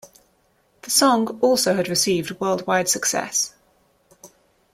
The song also had received worldwide success.